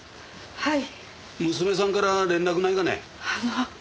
はい。